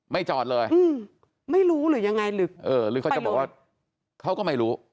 จอดเลยอืมไม่รู้หรือยังไงหรือเออหรือเขาจะบอกว่าเขาก็ไม่รู้